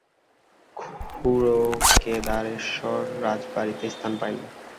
খুড়ো কেদারেশ্বর রাজবাড়িতে স্থান পাইল।